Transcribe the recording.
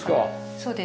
そうです。